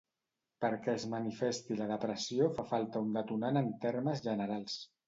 Perquè es manifesti la depressió fa falta un detonant en termes generals.